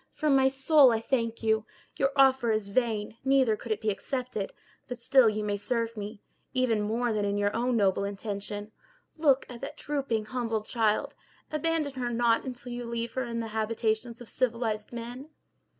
from my soul I thank you. Your offer is vain, neither could it be accepted; but still you may serve me, even more than in your own noble intention. Look at that drooping humbled child! Abandon her not until you leave her in the habitations of civilized men.